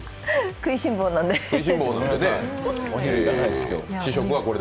食いしん坊なんで。